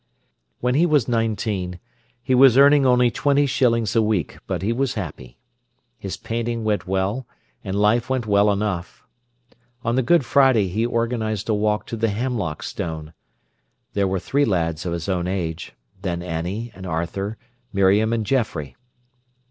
When he was nineteen, he was earning only twenty shillings a week, but he was happy. His painting went well, and life went well enough. On the Good Friday he organised a walk to the Hemlock Stone. There were three lads of his own age, then Annie and Arthur, Miriam and Geoffrey.